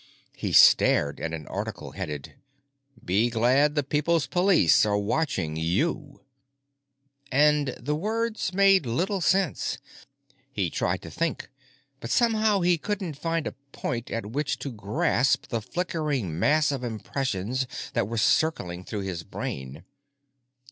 He stared at an article headed "Be Glad the People's Police Are Watching YOU!", but the words made little sense. He tried to think; but somehow he couldn't find a point at which to grasp the flickering mass of impressions that were circling through his brain.